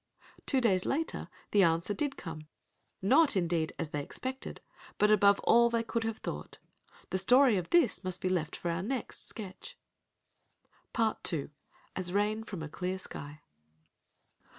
_" Two days later the answer did come,—not, indeed, as they expected, but above all they could have thought. The story of this must be left for our next sketch. *Part II. AS RAIN FROM A CLEAR SKY.